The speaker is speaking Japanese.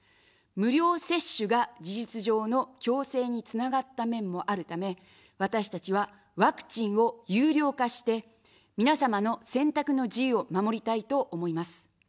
無料接種が事実上の強制につながった面もあるため、私たちはワクチンを有料化して、皆様の選択の自由を守りたいと思います。